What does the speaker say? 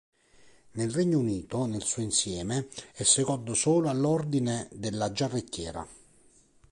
Nel Regno Unito nel suo insieme è secondo solo all'Ordine della Giarrettiera.